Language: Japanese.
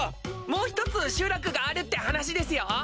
もう１つ集落があるって話ですよ。